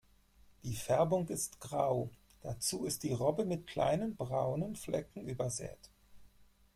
Die Färbung ist grau, dazu ist die Robbe mit kleinen braunen Flecken übersät.